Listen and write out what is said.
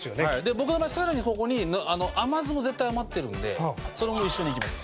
僕の場合さらにここに甘酢も絶対余ってるんでそれも一緒にいきます。